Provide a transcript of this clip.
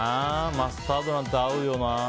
マスタードなんて合うよな。